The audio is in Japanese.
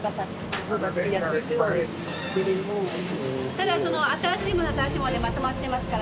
ただその新しいものは新しいものでまとまっていますから。